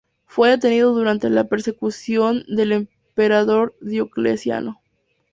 Fue detenido durante las persecuciones del emperador Diocleciano.